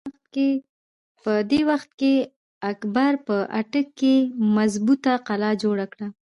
په دغه وخت کښې اکبر په اټک کښې مظبوطه قلا جوړه کړه۔